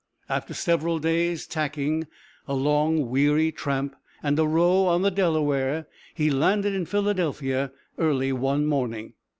After several days' tacking, a long, weary tramp, and a row on the Delaware, he landed in Philadelphia early one morning.